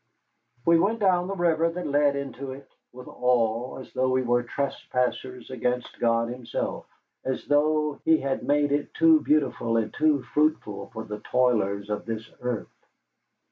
We went down the river that led into it, with awe, as though we were trespassers against God Himself, as though He had made it too beautiful and too fruitful for the toilers of this earth.